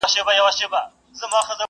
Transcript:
خزانې په کنډوالو کي پيدا کېږي.